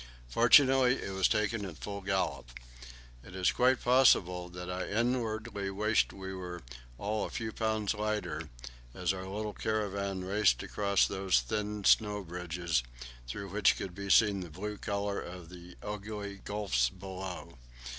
Fortunately it was taken at full gallop. It is quite possible that I inwardly wished we were all a few pounds lighter, as our little caravan raced across those thin snow bridges, through which could be seen the blue colour of the ugly gulfs below.